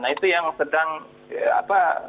nah itu yang sedang apa